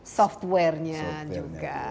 seperti software nya juga